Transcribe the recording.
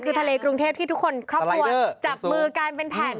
คือทะเลกรุงเทพที่ทุกคนครอบครัวจับมือกันเป็นแผ่น